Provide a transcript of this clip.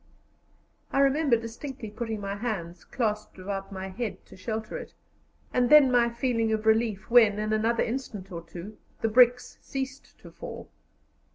I remember distinctly putting my hands clasped above my head to shelter it, and then my feeling of relief when, in another instant or two, the bricks ceased to fall.